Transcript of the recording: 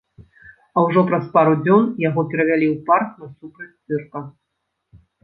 А ўжо праз пару дзён яго перавялі ў парк насупраць цырка.